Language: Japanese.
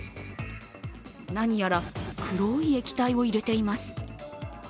なにやら黒い液体を入れています。